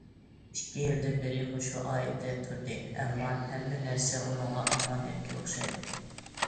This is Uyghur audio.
ئىككى يىلدىن بېرى مۇشۇ ئائىلىدە تۇردى، ئەمما ھەممە نەرسە ئۇنىڭغا ئامانەتكە ئوخشايدۇ.